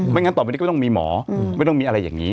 งั้นต่อไปนี้ก็ต้องมีหมอไม่ต้องมีอะไรอย่างนี้